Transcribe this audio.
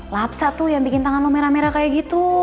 lapsa tuh yang bikin tangan lo merah merah kayak gitu